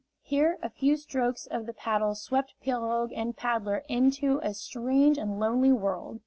Here a few strokes of the paddle swept pirogue and paddler into a strange and lonely world.